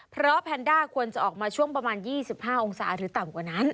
เพราะแพนด้าควรจะออกมาช่วงประมาณ๒๕องศาหรือต่ำกว่านั้น